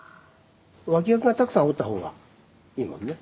脇役がたくさんおった方がいいもんね。